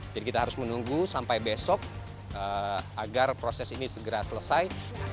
jadi kita harus menunggu sampai besok agar proses ini segera selesai